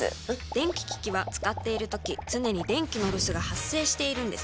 電気機器は使っているとき常に電気のロスが発生しているのです。